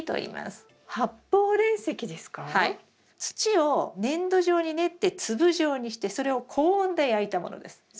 土を粘土状に練って粒状にしてそれを高温で焼いたものです。